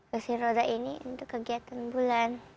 kursi roda ini untuk kegiatan bulan